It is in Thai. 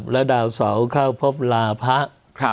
และดาวเสาเข้าพบลาพระ